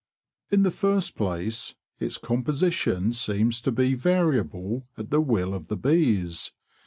In the first place, its composition seems to be variable at the will of the bees.